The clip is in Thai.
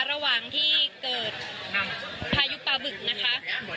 ระหว่างที่เกิดพายุปลาบึกนะคะ